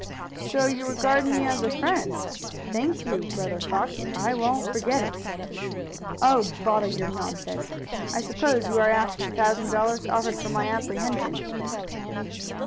"So you regard me as a friend? Thank you, Brother Fox; I won't forget it." "Oh, bother your nonsense! I suppose you are after the thousand dollars offered for my apprehension."